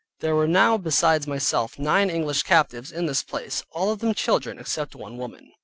There were now besides myself nine English captives in this place (all of them children, except one woman).